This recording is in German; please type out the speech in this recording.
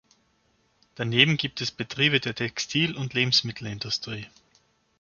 Daneben gibt es Betriebe der Textil- und Lebensmittelindustrie.